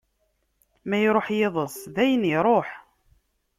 Ma iruḥ yiḍes, dayen iruḥ!